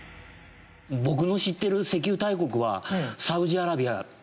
僕の知ってる石油大国はサウジアラビアとかですかね？